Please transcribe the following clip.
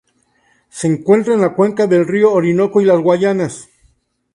Se encuentra en la cuenca del río Orinoco y las Guayanas.